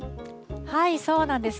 そうなんです。